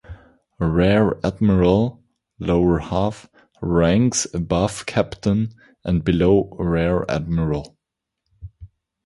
Rear admiral (lower half) ranks above captain and below rear admiral.